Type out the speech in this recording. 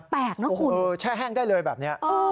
แปลกนะคุณแช่แห้งได้เลยแบบนี้